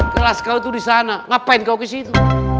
keras kau tuh disana ngapain kau kesitu